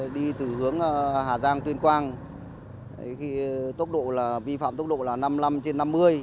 đi từ hướng hà giang tuyên quang vi phạm tốc độ là năm mươi năm trên năm mươi